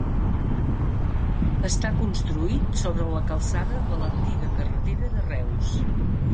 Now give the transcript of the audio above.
Està construït sobre la calçada de l'antiga carretera de Reus.